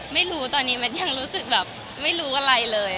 ไม่รู้ตอนนี้มันยังรู้สึกแบบไม่รู้อะไรเลย